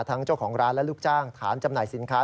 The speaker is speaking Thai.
เจ้าของร้านและลูกจ้างฐานจำหน่ายสินค้า